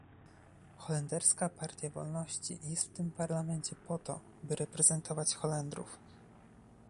Holenderska Partia Wolności jest w tym Parlamencie po to, by reprezentować Holendrów